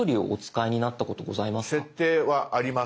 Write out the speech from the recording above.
「設定」はあります。